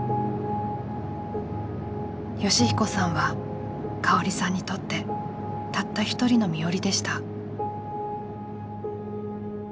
善彦さんはかおりさんにとってたった一人の身寄りでした。